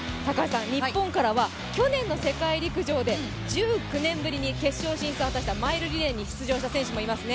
日本からは去年の世陸陸上で１９年ぶりに決勝出場したマイルリレーに出場した選手もいますね。